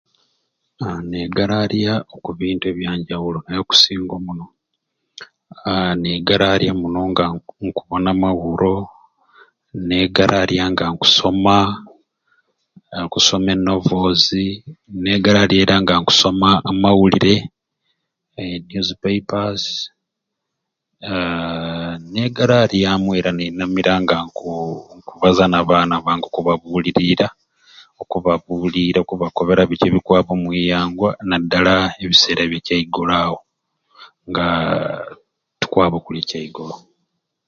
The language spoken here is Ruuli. Ha negaryarya kubintu ebyanjawulo naye okusinga omuno ha negaryarya muno nga nkubona amawuro ninegaryarya nga nkusoma ha okusoma e novels ninegaryarya era nga nkusoma amawulire news papers haaa ninegaryaryamu era neinamira nga nkubaza n'baana bange nga nkubabuliriira okubabuliira okubakobera bikyi ebikwaba omwiyanga nadala ebiseera bya lwegolo awo nga tukwaba okulya ekyeigolo